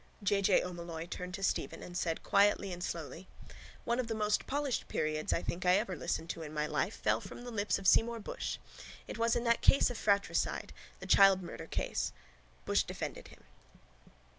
J. J. O'Molloy turned to Stephen and said quietly and slowly: —One of the most polished periods I think I ever listened to in my life fell from the lips of Seymour Bushe. It was in that case of fratricide, the Childs murder case. Bushe defended him.